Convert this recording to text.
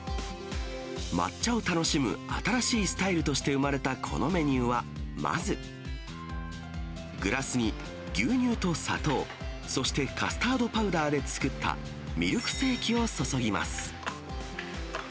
抹茶を楽しむ新しいスタイルとして生まれたこのメニューは、まずグラスに牛乳と砂糖、そしてカスタードパウダーで作ったミルクセーキを注ぎます。